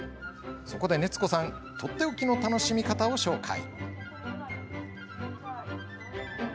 そこで、熱子さんとっておきの楽しみ方を紹介。